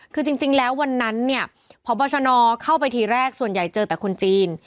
คือจริงแล้ววันนั้นเนี่ยพบชนเข้าไปทีแรกส่วนใหญ่เจอแต่คนจีน